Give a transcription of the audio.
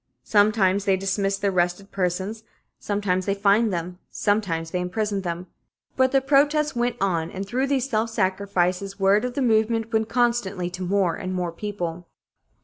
Sometimes they dismissed the arrested persons, sometimes they fined them, sometimes they imprisoned them. But the protests went on, and through these self sacrifices, word of the movement went constantly to more and more people.